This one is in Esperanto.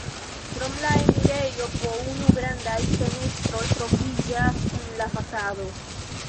Krom la enirejo po unu grandaj fenestroj troviĝas en la fasado.